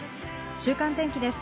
週間天気です。